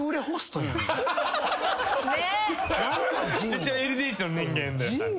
一応ＬＤＨの人間で。